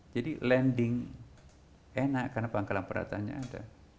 jadi landing enak karena pangkalan penderatannya ada